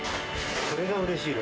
それがうれしいの。